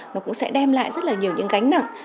nó cũng sẽ đem lại rất là nhiều những gánh nặng